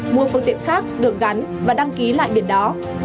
mua phương tiện khác được gắn và đăng ký lại biển đó